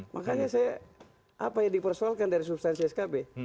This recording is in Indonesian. makanya saya apa yang dipersoalkan dari substansi skb